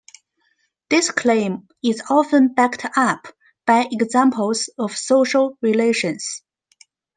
This claim is often backed up by examples of social relations.